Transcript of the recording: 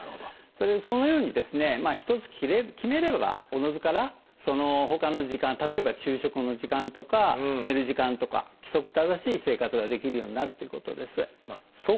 そのようにですね一つ決めればおのずからその他の時間例えば昼食の時間とか寝る時間とか規則正しい生活ができるようになるっていうことです。